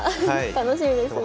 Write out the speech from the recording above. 楽しみですね。